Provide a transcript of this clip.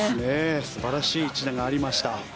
素晴らしい一打がありました。